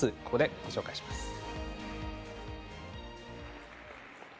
ここでご紹介します。